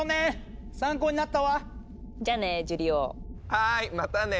はいまたね！